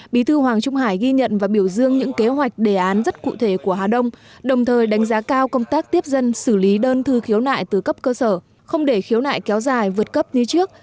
bí thư hoàng trung hải ghi nhận và biểu dương những kế hoạch đề án rất cụ thể của hà đông đồng thời đánh giá cao công tác tiếp dân xử lý đơn thư khiếu nại từ cấp cơ sở không để khiếu nại kéo dài vượt cấp như trước